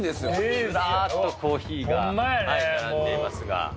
ずらっと珈琲が並んでいますが。